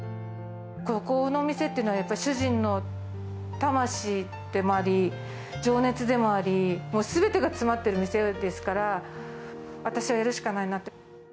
ここのお店っていうのは、やっぱり主人の魂でもあり、情熱でもあり、もうすべてが詰まってる店ですから、私がやるしかないなって。